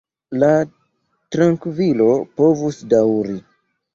La trankvilo povus daŭri.